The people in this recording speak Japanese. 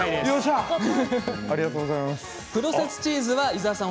プロセスチーズは伊沢さん